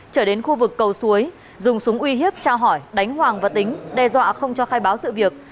trở đến khu vực cầu suối dùng súng uy hiếp trao hỏi đánh hoàng và tính đe dọa không cho khai báo sự việc